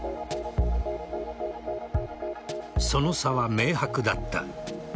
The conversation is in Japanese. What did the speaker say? その差は明白だった。